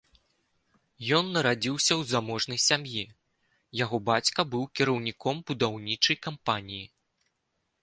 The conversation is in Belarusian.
Ён нарадзіўся ў заможнай сям'і, яго бацька быў кіраўніком будаўнічай кампаніі.